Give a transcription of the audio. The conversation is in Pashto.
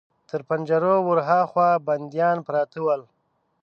تر پنجرو ور هاخوا بنديان پراته ول.